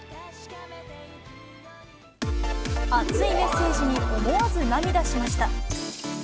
熱いメッセージに思わず涙しました。